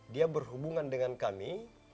dia berhubungan dengan kami